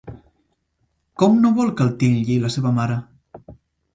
Com no vol que el titlli la seva mare?